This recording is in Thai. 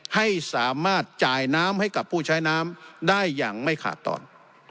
ให้สามารถจ่ายน้ำให้กับผู้ใช้น้ำได้อย่างไม่ขาดตอน